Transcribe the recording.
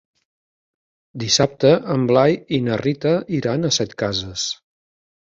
Dissabte en Blai i na Rita iran a Setcases.